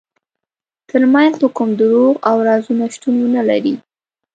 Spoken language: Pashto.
ترمنځ مو کوم دروغ او رازونه شتون ونلري.